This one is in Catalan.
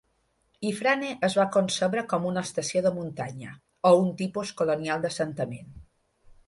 Ifrane es va concebre com a "estació de muntanya" o un tipus colonial d'assentament.